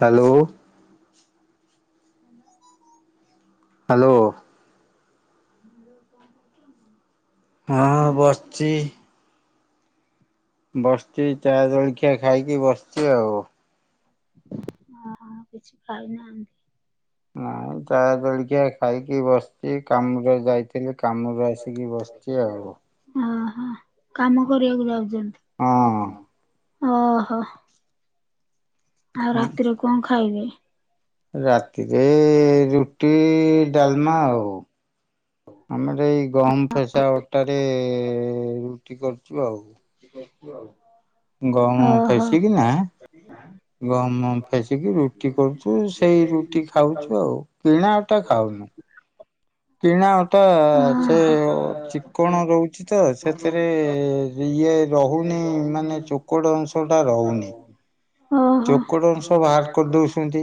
Hello. Hello. ହଁ ବସିଛି। ବସିଛି ଚା ଜଳଖିଆ ଖାଇକି ବସିଛି ଆଉ। ହଁ କିଛି ଖାଇନାହାନ୍ତି। ନାଇଁ ଚା ଜଳଖିଆ ଖାଇକି ବସିଛି କାମରେ ଯାଇଥିଲି କାମରୁ ଆସିକି ବସି ଛି ଆଉ। ହଁ କାମ କରିବାକୁ ଯାଉଛନ୍ତି ହଁ ଓହୋ। ଆଉ ରାତିରେ କଣ ଖାଇବେ? ରାତିରେ ରୁଟି ଡାଲମା ଆଉ। ଆମର ଏଇ ଗହମ ଫେସା ଅଟାରେ ରୁଟି କରୁଛୁ ଆଉ। [unintelligible] ଗହମ ଫେଶୀ କି ନା ଗହମ ଫେସିକି ରୁଟି କରୁଚୁ, ସେଇ ରୁଟି ଖାଉଚୁ ଆଉ। କିଣା ଅଟା ଖାଉନୁ। କିଣା ଅ ଟା ସେ ଚିକଣ ରହୁଛି ତ ସେଥିରେ ଇଏ ରହୁନି। ନି ମାନେ ଚୋକଡ ଅଂଶ ଟା ରହୁନି। ଚୋକଡ ଅଂଶ ବାହାର କରିଦଉଛନ୍ତି।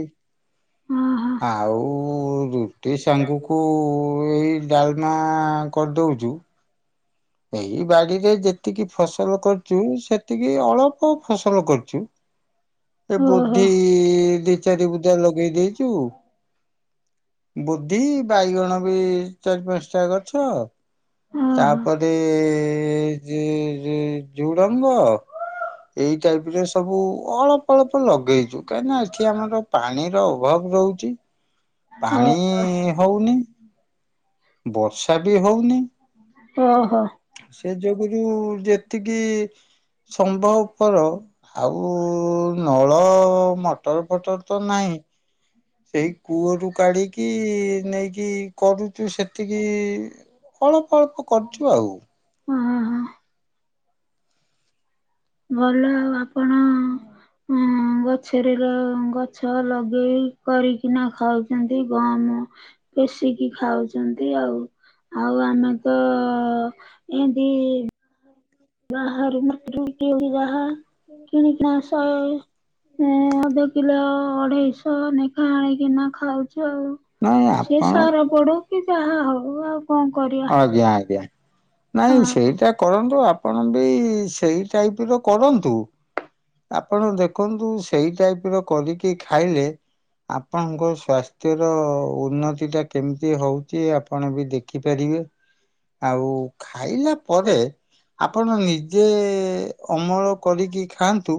ଆଉ ରୁଟି ସାଙ୍ଗକୁ ଏଇ ଡାଲ ମା କରିଦଉଚୁ। ଏଇ ବାଡିରେ ଯେତିକି ଫସଲ କରିଚୁ, ସେତିକି ଅଳପ ଫସଲ କରୁଚୁ। ଏ [unintelligible] ଦି ଚାରି ବୁଧା ଲଗେଇ ଦେଇଚୁ। ବୋଧି, ବାଇଗଣ ବି ଚାରି ପାଞ୍ଚଟା ଗଛ। ତାପରେ ଜେ, ଜେ ଝୁଡ଼ଙ୍ଗ। ଏଇ ଟାଇପରେ ସବୁ ଅଳପ ଅଳପ ଲଗେଇଚୁ। କାଇଁନା ଏଠି ଆମର ପାଣିର ଅଭାବ ରହୁଚି। ପାଣି ହଉନି। ବର୍ଷା ବି ହଉନି। ଓହୋ। ସେ ଯୋଗୁରୁ ଯେତିକି ସମ୍ଭବପର ଆଉ ନଳ ମଟର ଫଟର ତ ନାହିଁ। ସେଇ କୂଅରୁ କାଢିକି ନେଇକି କରୁଚୁ। ସେତିକି ଅଳପ ଅଳପ କରୁଚୁ ଆଉ। ଓ ହୋ। ଭଲ ଆଉ ଆପଣ ଉଁ ଗଛରେ ର ଗଛ ଲଗେଇ କରିକିନା ଖାଉଛନ୍ତି। ଗହମ ପେଶିକି ଖାଉଛନ୍ତି ଆଉ। ଆଉ ଆମେ ତ [unintelligible] ବାହାରୁ। [unintelligible] ହଁ ଅଧକିଲ ଅଢେଇଶ ନେଖା ଆଣିକିନା ଖାଉଛୁ ଆଉ। ସିଏ ସାର ପଡୁ କି ଯାହା ହଉ ଆଉ କଣ କରିବା। ନାଇଁ ସେଇଟା କରନ୍ତୁ। ଆପଣ ବି ସେଇ ଟାଇପର କରନ୍ତୁ। ଆପଣ ଦେଖନ୍ତୁ ସେଇ ଟାଇପର କରିକି ଖାଇଲେ ଆପଣଙ୍କ ସ୍ଵାସ୍ଥ୍ୟର ଉନ୍ନତି ଟା କେମିତି ହଉଛି ଆପଣ ବି ଦେଖିପାରି ବେ ଆଉ ଖାଇଲା ପରେ ଆପଣ ନିଜେ ଅମଳ କରିକି ଖାଆନ୍ତୁ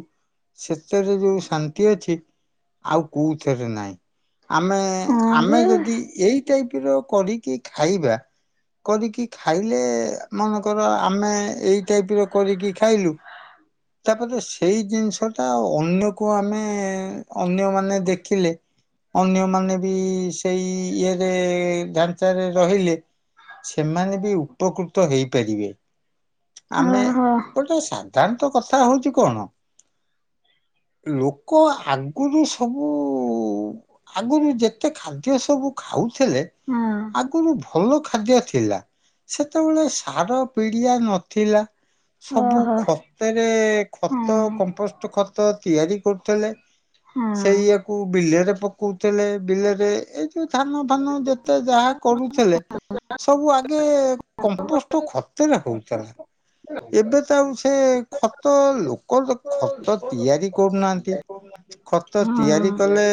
ସେତେରେ ଯୋଉ ଶାନ୍ତି ଅଛି ଆଉ କୋଉଥିରେ ନାହିଁ। ଆମେ ଆମେ ଯଦି ଏଇ ଟାଇପ ର କରିକି ଖାଇବା କରିକି ଖାଇଲେ ମନେକର ଆମେ ଏଇ ଟାଇପ ର କରିକି ଖାଇଲୁ ତାପରେ ସେଇ ଜିନିଷଟା ଅନ୍ୟକୁ ଆମେ ଅନ୍ୟମାନେ ଦେଖିଲେ ଅନ୍ୟମାନେ ବି ସେଇ ଇଏରେ ଢାଞ୍ଚାରେ ରହିଲେ। ସେମାନେ ବି ଉପକୃ ହେଇପାରିବେ। ଆମେ ଗୋଟେ ସାଧାରଣ ତ କଥା ହଉଛି କଣ ଲୋକ ଆଗରୁ ସବୁ ଆଗରୁ ଯେତେ ଖାଦ୍ୟ ସବୁ ଖାଉ ଉଥିଲେ, ଆଗରୁ ଭଲ ଖାଦ୍ୟ ଥିଲା। ସେତେବେଳେ ସାର, ପିଡିଆ ନଥିଲା ସବୁ ଖ ତରେ ଖତ, କମ୍ପୋଷ୍ଟ ଖତ ତିଆରି କରୁଥିଲେ ସେଇ ଇୟାକୁ ବିଲରେ ପକଉଥିଲେ ବିଲରେ ଏଇ ଧାନ ଫାନ ଯେତେ ଯାହା କରୁଥିଲେ। ସବୁ ଆଗେ କମ୍ପୋଷ୍ଟ ଖତରେ ହଉଥିଲା। ଏବେ ତ ଆଉ ସେ ଖତ ଲୋକ ଖତ ତିଆରି କରୁନାହାନ୍ତି। ଖତ ତିଆରି କଲେ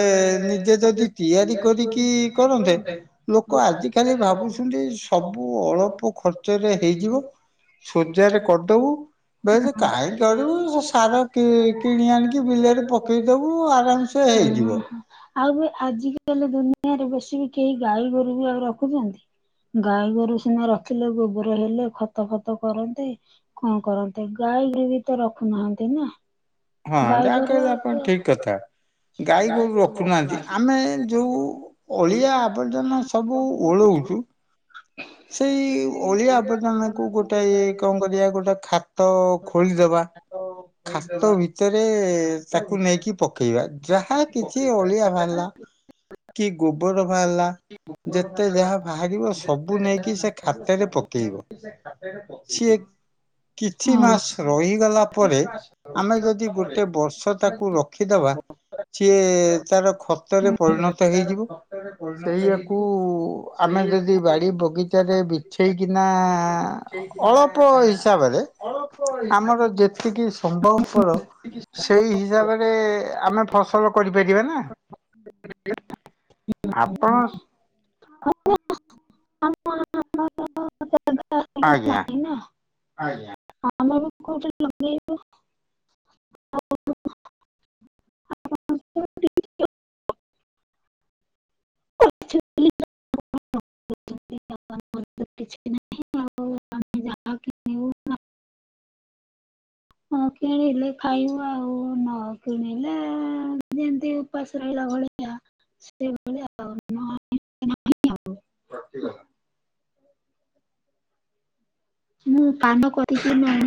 ନିଜେ ଯଦି ତିଆରି କରିକି କରନ୍ତେ। ଲୋକ ଲୋକ ଆଜିିକାଲି ଭାବୁଛନ୍ତି, ସବୁ ଅଳ୍ପ ଖର୍ଚ୍ଚରେ ହେଇଯିବ। ସୋଜାରେ କଦବୁ, ବେଜ କାହିଁ କରଡରିବୁ ସେ ସାର। କି କିଣି ଆଣିକି ବିଲରେ ପକେଇଦବୁ ଆରାମସେ ହେଇଯିବ। ଆଉ ବି ଆଜିକାଲି ଦୁନିଆରେ ବସ ବି କେହି ଗାଈ ଗୋରୁ ବି ଆଉ ରଖୁଛନ୍ତି। ଗାଈ ଗୋରୁ ସିନା ରଖିଲେ ଗୋବର ହେଲେ ଖତ ଫତ କରନ୍ତେ କଣ କରନ୍ତେ ଗାଈ। ଆଇ ବି ତ ରଖୁନାହାନ୍ତି ନା। ହଁ ଯାହା କହିଲପଣ ଠିକ୍‌ କଥା। ଗାଈ ଗୋରୁ ରଖୁନାହାନ୍ତି, ଆମେ ଯୋଉ ଅଳିଆ ଆବର୍ଜନା ସବୁ ଓଳୋଉ କିଛି। ସେଇ ଅଳିଆ ଆବର୍ଜନା କ ଗୋଟେ ଇଏ କଣ କରିବା ଗୋଟେ ଖାତ ଖୋଳିଦବା। ହ [inaudible] ହାତ ଭିତରେ ତାକୁ ନେଇକି ପକେଇବା ଯାହା କିଛି ଅଳିଆ ବାହାରିଲା। କି ଗୋବର ର ବାହାରିଲା। ଯେତେ ଯାହା ବାହାରିବ ସବୁ ନେଇକି ସେ ଖାତରେ ପକେଇବ ସିଏ। କିଛି ମାସ ରହିଗଲା ପରେ ଆମେ ଯଦି ଗୋଟେ ବର୍ଷ ତାକୁ ରଖିଦବା। ସିଏ ତାର ଖତରେ ପରିଣତ ହେଇଯିବ। ସେଇଆକୁ ଆମେ ଯଦି ବାଡି ବଗିଚାରେ ବିଛେଇକିନା ଅଳ୍ପ ହିସାବରେ ଆମର ଯେତିକି ସମ୍ଭବପର ସେଇ ହିସାବରେ ଆମେ ଫସଲ କରିପାରିବୁ। ଆପଣ? [unintelligible] ଆଜ୍ଞା। ଆମେ ଏବେ କୋଉଠ ଲଗେଇବୁ? ଆ [inaudible] ଆ [inaudible] ଆ [inaudible] ଆ [inaudible] ଆ [inaudible] ହଁ କିଣିଲେ ଖାଇବୁ ଆଉ ନ କିଣିଲେ ଯେମିତି ଉପାସ ରହିଲା ଭଳିଆ ସେ ଭଳିଆ ଆଉ ନ ହଲେ ନାଇଁ ଆଉ। ଆ [inaudible] ମୁଁ କାମ କରିକି ଏଇନା ଆଇଲି।